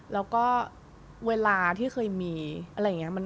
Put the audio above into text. แล้วก็เวลาที่เคยมีอะไรอย่างนี้